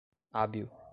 hábil